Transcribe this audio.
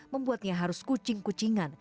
membuatnya harus kucing kucingan